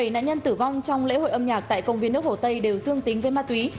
bảy nạn nhân tử vong trong lễ hội âm nhạc tại công viên nước hồ tây đều dương tính với ma túy